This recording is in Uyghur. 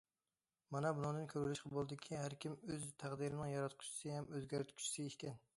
مانا بۇنىڭدىن كۆرۈۋېلىشقا بولىدۇكى، ھەر كىم ئۆز تەقدىرىنىڭ ياراتقۇچىسى ھەم ئۆزگەرتكۈچىسى ئىكەن.!!!